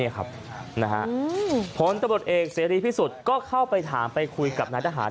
ผลตำรวจเอกเสรีพิสุทธิ์ก็เข้าไปถามไปคุยกับนายทหาร